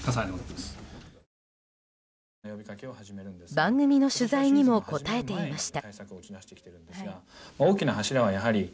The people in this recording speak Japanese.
番組の取材にも答えていました。